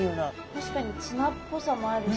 確かにツナっぽさもあるし。